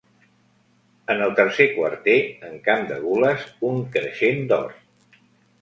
En el tercer quarter, en camp de gules, un creixent d'or.